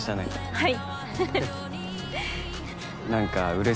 はい。